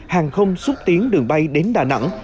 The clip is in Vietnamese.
hàng không xúc tiến đường bay đến đà nẵng